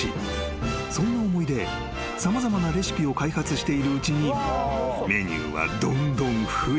［そんな思いで様々なレシピを開発しているうちにメニューはどんどん増え］